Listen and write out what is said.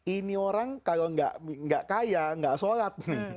ini orang kalau gak kaya gak sholat